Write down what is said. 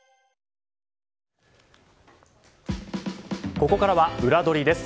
ここからウラどりです。